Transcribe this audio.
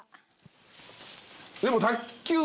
でも。